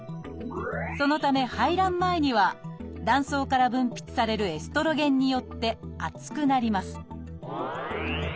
そのため排卵前には卵巣から分泌されるエストロゲンによって厚くなります